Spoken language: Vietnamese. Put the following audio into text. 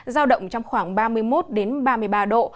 giao động trong khoảng ba mươi một ba mươi ba độ